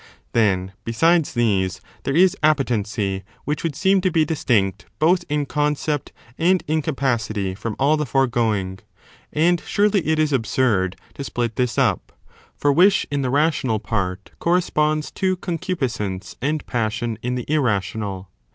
Then besides these there is appetency, which would seem to be distinct both in concept and in capacity from all the foregoing. And surely it is absurd to split this up. For wish in the rational part corresponds to concupiscence and passion in the irrational.